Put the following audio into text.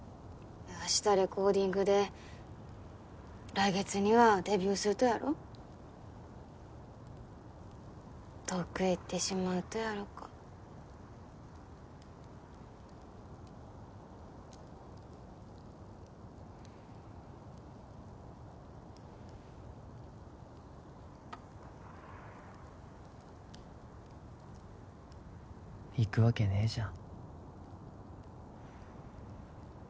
明日レコーディングで来月にはデビューするとやろ遠くへ行ってしまうとやろか行くわけねえじゃん